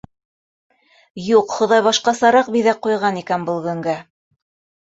Юҡ, Хоҙай башҡасараҡ биҙәк ҡуйған икән был көнгә.